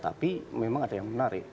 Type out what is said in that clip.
tapi memang ada yang menarik